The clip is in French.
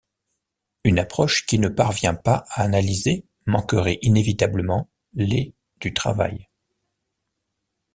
Une approche qui ne parvient pas à analyser manquerait inévitablement les du travail.